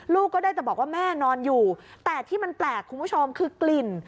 ลูกก็ได้แต่บอกว่าแม่นอนอยู่แต่ที่มันแปลกคุณผู้ชมคือกลิ่น